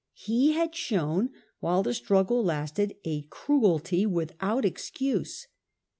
He had shown while the struggle lasted a cruelty without excuse.